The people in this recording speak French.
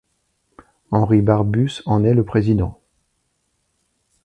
Henri Barbusse en est le président.